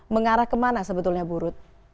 mengarah kemana sebetulnya burut